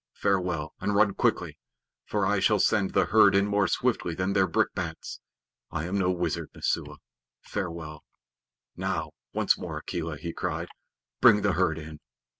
Farewell; and run quickly, for I shall send the herd in more swiftly than their brickbats. I am no wizard, Messua. Farewell!" "Now, once more, Akela," he cried. "Bring the herd in."